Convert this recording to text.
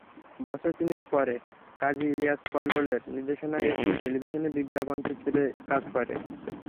বছর তিনেক পরে কাজী ইলিয়াস কল্লোলের নির্দেশনায় একটি টেলিভিশনের বিজ্ঞাপনচিত্রে কাজ করে।